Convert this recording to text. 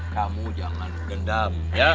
kamu jangan dendam ya